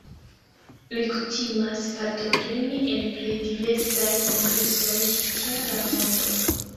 Li kutimas partopreni en plej diversaj kongresoj tra la mondo.